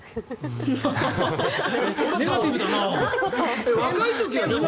ネガティブだな。